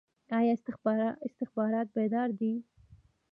آیا استخبارات بیدار دي؟